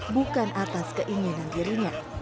bukan atas keinginan dirinya